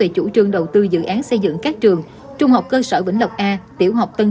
cảm ơn các bạn